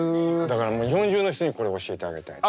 だから日本中の人にこれ教えてあげたい。